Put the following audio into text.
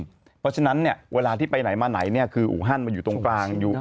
เพราะฉะนั้นเวลาที่ไปไหนมาไหนคืออู่ฮันมันอยู่ตรงกลาง